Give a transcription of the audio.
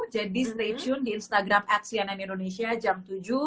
jadi stay tune di instagram at cnn indonesia jam tujuh